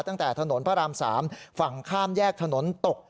ตั้งแต่ถนนพระราม๓ฝั่งข้ามแยกถนนตก